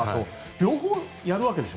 両方やるわけでしょ？